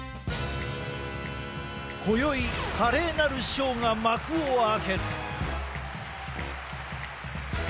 こよい華麗なるショーが幕を開ける。